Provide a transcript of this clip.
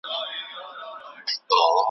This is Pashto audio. ابليس خپلو شيطانانو ته څه لارښووني کوي؟